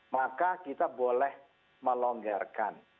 maka kita boleh melonggarkan